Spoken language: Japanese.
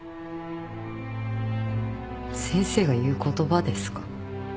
先生が言う言葉ですか？